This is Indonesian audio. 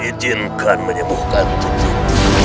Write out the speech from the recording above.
ijinkan menyembuhkan tutup